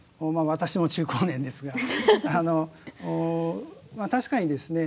私も中高年ですがあの確かにですね